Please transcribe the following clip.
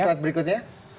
oke slide berikutnya